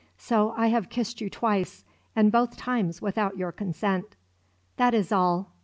So I have kissed you twice, and both times without your consent. "That is all.